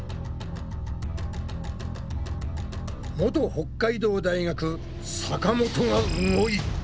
元北海道大学坂本が動いた。